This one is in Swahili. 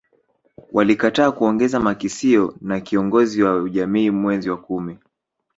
Walikataa kuongeza makisio na kiongozi wa ujamii mwezi wa kumi